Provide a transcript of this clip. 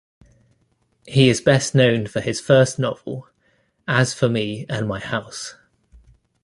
He is best known for his first novel, "As For Me and My House".